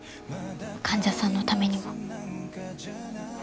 患者さんのためにも。